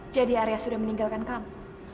jadi arya sudah meninggalkan kamu